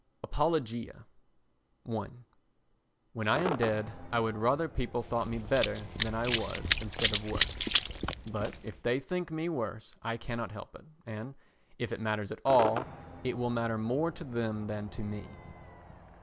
Apologia i When I am dead I would rather people thought me better than I was instead of worse; but if they think me worse, I cannot help it and, if it matters at all, it will matter more to them than to me.